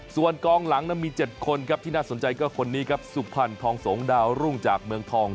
ส่วนกองหลังมี๗คนครับที่น่าสนใจก็คนนี้ครับสุพรรณทองสงดาวรุ่งจากเมืองทอง